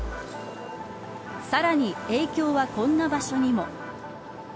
さらに影響はこんな場所にも。